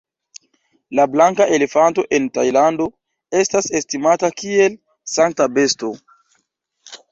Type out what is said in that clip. La blanka elefanto en Tajlando estas estimata kiel sankta besto.